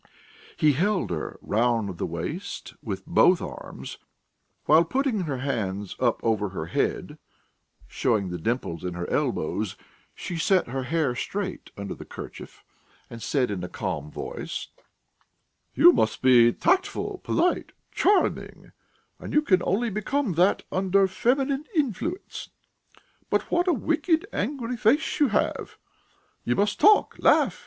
He held her round the waist with both arms, while, putting her hands up to her head, showing the dimples in her elbows, she set her hair straight under the kerchief and said in a calm voice: "You must be tactful, polite, charming, and you can only become that under feminine influence. But what a wicked, angry face you have! You must talk, laugh....